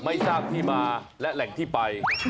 ไม่ทราบที่มาและแหล่งที่ไป